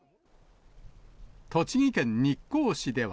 栃木県日光市では。